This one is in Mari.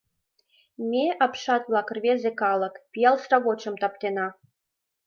Ме — апшат-влак, рвезе калык, Пиал сравочым таптена: